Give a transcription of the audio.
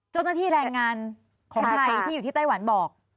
เจ้าหน้าที่แรงงานของไทยที่อยู่ที่ไต้หวันบอก